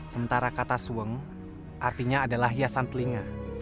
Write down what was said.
sementara kata sueng artinya adalah hiasan telinga